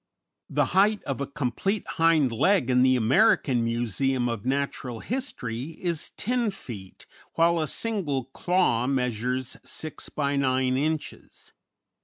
The height of a complete hind leg in the American Museum of Natural History is 10 feet, while a single claw measures 6 by 9 inches.